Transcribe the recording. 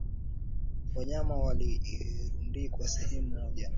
Wanyama walirundikwa sehemu moja